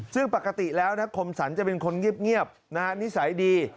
ซึ่งปกติแล้วนะคมสรรจะเป็นคนเงียบนิสัยดี